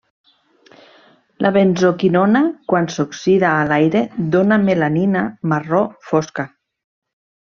La benzoquinona quan s'oxida a l'aire dóna melanina marró fosca.